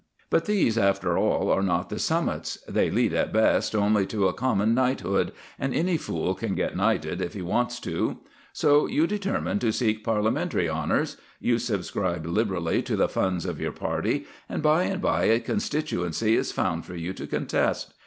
But these, after all, are not the summits; they lead at best only to a common knighthood, and any fool can get knighted if he wants to. So you determine to seek Parliamentary honours. You subscribe liberally to the funds of your party, and by and by a constituency is found for you to contest.